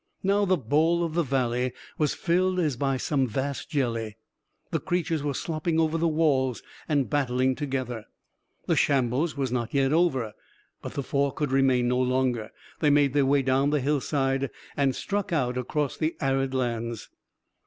Now the bowl of the valley was filled as by some vast jelly. The creatures were slopping over the walls, and battling together. The shambles was not yet over, but the four could remain no longer. They made their way down the hillside and struck out across the arid lands.